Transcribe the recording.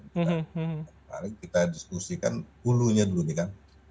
kemarin kita diskusikan ulu nya dulu nih kan